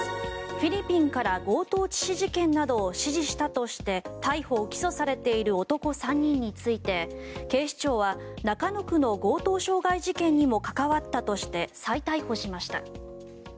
フィリピンから強盗致死事件などを指示したとして逮捕・起訴されている男３人について警視庁は中野区の強盗傷害事件にも関わったとして再逮捕しました。